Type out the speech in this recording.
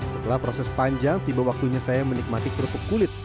setelah proses panjang tiba waktunya saya menikmati kerupuk kulit